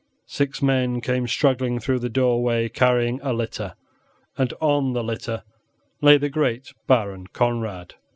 Six men came struggling through the doorway, carrying a litter, and on the litter lay the great Baron Conrad.